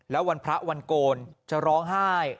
แล้ววันพระวันโกนจะร้องไห้